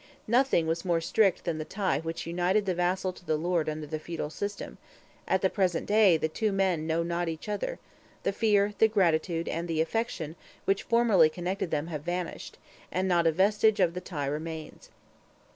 Nothing was more strict than the tie which united the vassal to the lord under the feudal system; at the present day the two men know not each other; the fear, the gratitude, and the affection which formerly connected them have vanished, and not a vestige of the tie remains.